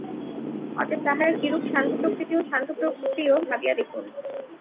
অতএব তাঁহারা কিরূপ শান্তপ্রকৃতি ও শান্তিপ্রিয়, ভাবিয়া দেখুন।